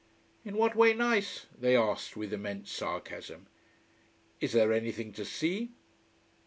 "In what way nice?" they asked, with immense sarcasm. "Is there anything to see?"